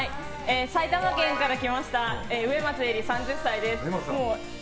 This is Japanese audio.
埼玉県から来ました上松愛里、３０歳です。